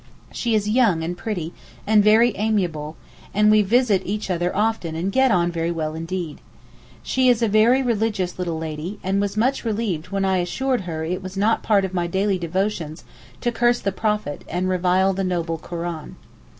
She is young and pretty, and very amiable, and we visit each other often and get on very well indeed. She is a very religious little lady, and was much relieved when I assured her it was not part of my daily devotions to curse the Prophet, and revile the noble Koran.